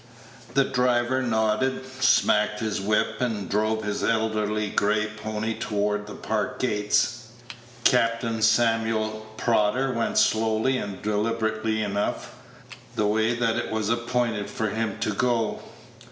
The driver nodded, smacked his whip, and drove his elderly gray pony toward the Park gates. Captain Samuel Prodder went slowly and deliberately enough the way that it was appointed for him to go.